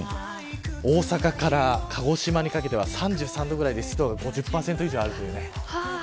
大阪から鹿児島にかけては３３度ぐらいで湿度は５０％以上ある。